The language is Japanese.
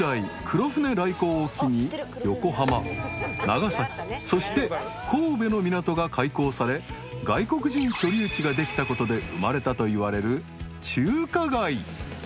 黒船来航を機に横浜長崎そして神戸の港が開港され外国人居留地ができたことで生まれたといわれる中華街］